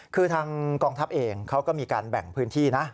คือทางกองทัพเองเขาก็มีการแบ่งพื้นที่นะ